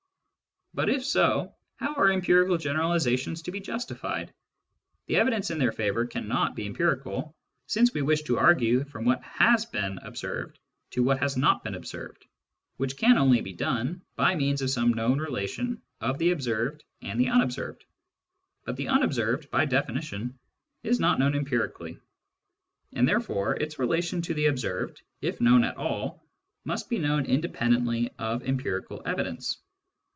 But if so, how are empirical generalisations to be justified ? The evidence in their favour cannot be empirical, since we wish to argue from what has been observed to what has not been observed, which can only be done by means of some known relation of the observed and the unobserved ; but the unobserved, by definition, is not known empirically, and therefore its relation to the observed, if known at all, must be known independ ently of empirical evidence.